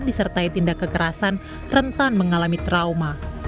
disertai tindak kekerasan rentan mengalami trauma